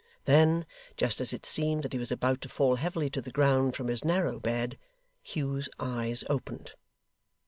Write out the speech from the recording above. Then, just as it seemed that he was about to fall heavily to the ground from his narrow bed, Hugh's eyes opened.